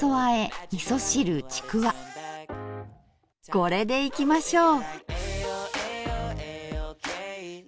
これでいきましょう！